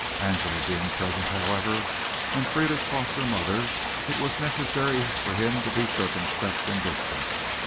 Angela being present, however, and Frieda's foster mother, it was necessary for him to be circumspect and distant.